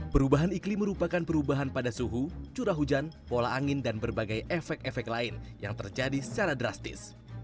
perubahan iklim merupakan perubahan pada suhu curah hujan pola angin dan berbagai efek efek lain yang terjadi secara drastis